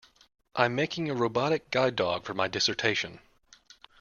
I'm making a robotic guide dog for my dissertation.